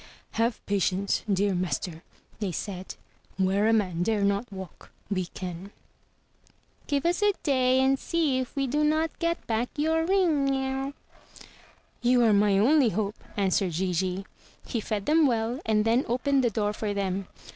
"Have patience, dear master," they said. "Where a man dare not walk, we can. Give us a day, and see if we do not get back your ring." "You are my only hope," answered Gigi. He fed them well, and then opened the door for them.